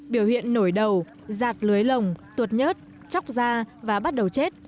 biểu hiện nổi đầu giạt lưới lồng tuột nhớt chóc da và bắt đầu chết